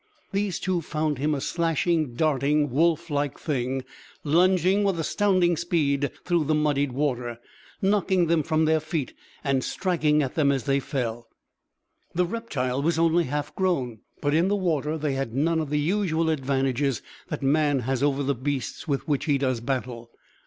These two found him a slashing, darting, wolf like thing, lunging with astounding speed through the muddied water, knocking them from their feet and striking at them as they fell. The reptile was only half grown, but in the water they had none of the usual advantages that man has over the beasts with which he does battle.